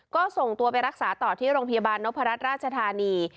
ก็ส่งตัวไปรักษาต่อที่โรงพยาบาลนพรัชราชธานี